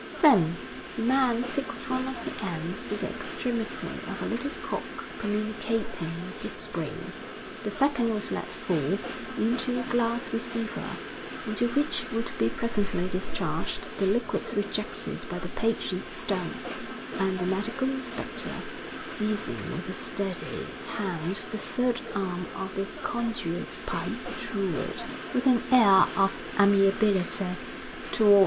Then the man fixed one of the ends to the extremity of a little cock communicating with the spring. The second was let fall into a glass receiver, into which would be presently discharged the liquids rejected by the patient's stomach; and the medical inspector, seizing with a steady hand the third arm of this conduit pipe, drew it, with an air of amiability, toward M.